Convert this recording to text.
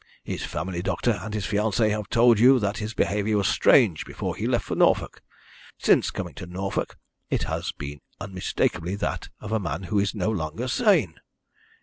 His family doctor and his fiancée have told you that his behaviour was strange before he left for Norfolk; since coming to Norfolk it has been unmistakably that of a man who is no longer sane.